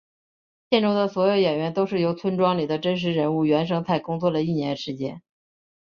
片中的所有演员都是由村庄里的真实人物原生态工作了一年时间。